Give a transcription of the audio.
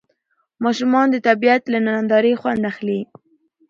ماشومان د طبیعت له نندارې خوند اخلي